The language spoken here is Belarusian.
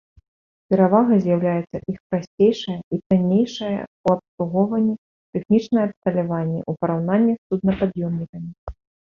Перавагай з'яўляецца іх прасцейшае і таннейшае ў абслугоўванні тэхнічнае абсталяванне ў параўнанні з суднапад'ёмнікамі.